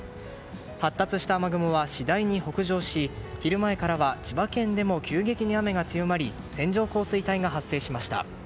発達した雨雲は次第に北上し昼前からは千葉県でも急激に雨が強まり線状降水帯が発生しました。